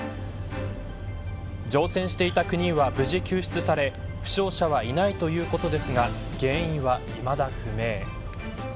乗船していた９人は無事救出され負傷者はいないということですが原因は、いまだ不明。